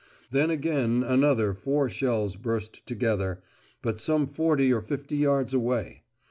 Then again another four shells burst together, but some forty or fifty yards away.